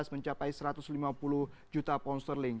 mencapai satu ratus lima puluh juta pound sterling